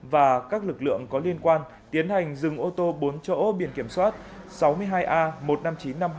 và các lực lượng có liên quan tiến hành dừng ô tô bốn chỗ biển kiểm soát sáu mươi hai a một mươi năm nghìn chín trăm năm mươi hai